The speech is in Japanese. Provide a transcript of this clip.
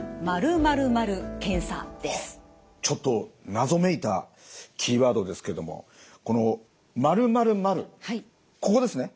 ちょっと謎めいたキーワードですけどもこの○○○ここですね？